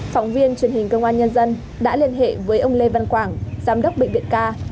phóng viên truyền hình công an nhân dân đã liên hệ với ông lê văn quảng giám đốc bệnh viện ca